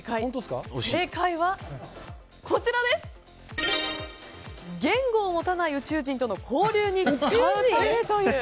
正解は、言語を持たない宇宙人との交流に使うためという。